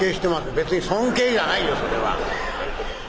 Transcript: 「別に尊敬じゃないよそれは。